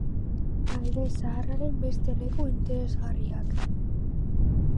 Alde Zaharraren beste leku interesgarriak.